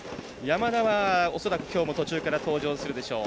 山田は、恐らく、きょうも途中から登場するでしょう。